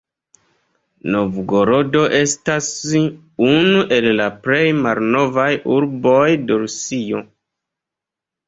Novgorodo estas unu el la plej malnovaj urboj de Rusio.